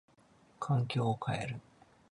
環境を変える。